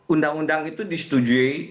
undang undang itu disetujui